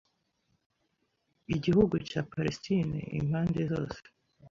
igihugu cya Palesitine impande zose